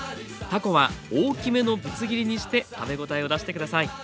たこは大きめのぶつ切りにして食べ応えを出して下さい。